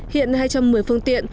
hiện hai trăm một mươi phương tiện